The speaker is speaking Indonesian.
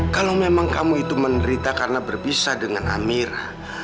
kalau memang kamu itu menderita karena berpisah dengan amir